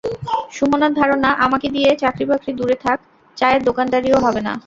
সুমনার ধারণা, আমাকে দিয়ে চাকরিবাকরি দূরে থাক, চায়ের দোকানদারিও হবে না।